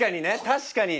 確かに。